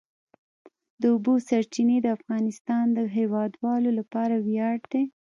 د اوبو سرچینې د افغانستان د هیوادوالو لپاره ویاړ دی.